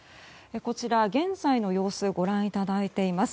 こちら、現在の様子をご覧いただいています。